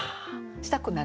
したくなる？